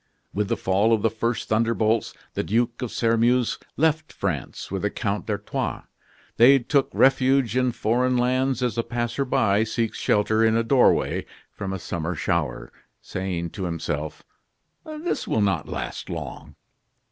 With the fall of the first thunder bolts, the Duke of Sairmeuse left France with the Count d'Artois. They took refuge in foreign lands as a passer by seeks shelter in a doorway from a summer shower, saying to himself: "This will not last long."